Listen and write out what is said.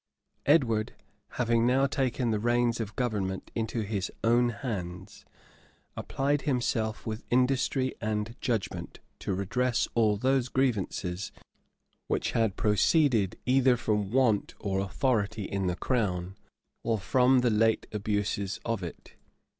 Edward, having now taken the reins of government into his own hands, applied himself, with industry and judgment, to redress all those grievances which had proceeded either from want of authority in the crown, or from the late abuses of it.